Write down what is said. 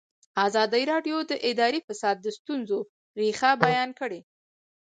ازادي راډیو د اداري فساد د ستونزو رېښه بیان کړې.